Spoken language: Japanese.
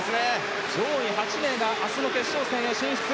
上位８名が明日の決勝戦へ進出。